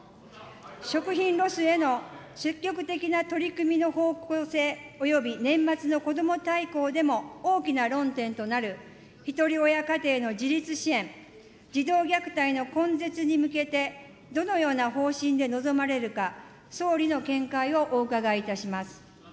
食品ロスへの積極的な取り組みの方向性、および年末のこども大綱でも大きな論点となる、ひとり親家庭の自立支援、児童虐待の根絶に向けてどのような方針で臨まれるか、総理の見解をお伺いいたします。